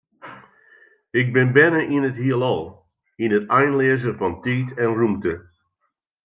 Ik bin berne yn it Hielal, yn it einleaze fan tiid en rûmte.